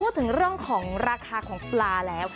พูดถึงเรื่องของราคาของปลาแล้ว